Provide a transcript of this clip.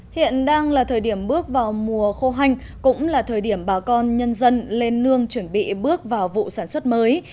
hiện đang là thời điểm bước vào mùa khô hanh cũng là thời điểm bà con nhân dân lên nương chuẩn bị bước vào vụ sản xuất mới